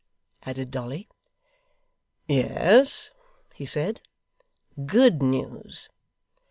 added Dolly. 'Yes,' he said. 'Good news.